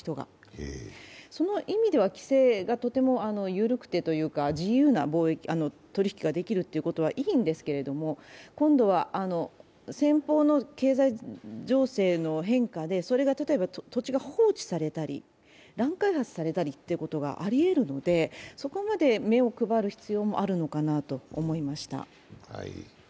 その意味では規制がとても緩くてというか、自由な取り引きができるということはいいんですけれども、今度は先方の経済情勢の変化で土地が放置されたり乱開発されたりということがありえるので、そこまで目を配る必要があるかなと思いました。